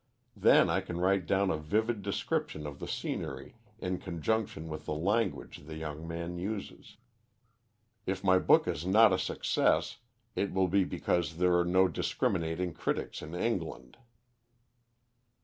Then I can write down a vivid description of the scenery in conjunction with the language the young man uses. If my book is not a success, it will be because there are no discriminating critics in England.